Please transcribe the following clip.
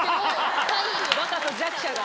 バカと弱者が。